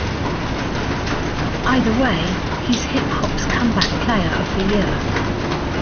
Either way, he's hip-hop's Comeback Playa of the Year.